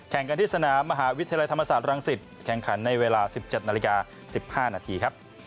กันที่สนามมหาวิทยาลัยธรรมศาสตรังสิตแข่งขันในเวลา๑๗นาฬิกา๑๕นาทีครับ